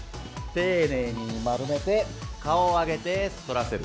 丁寧に丸めて顔を上げて反らせる。